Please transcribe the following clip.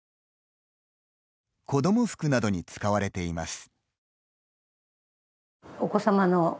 子ども服などに使われています。